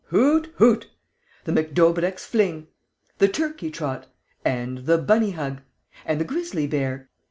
Hoot! Hoot! The McDaubrecq's fling!... The turkey trot!... And the bunny hug!... And the grizzly bear!...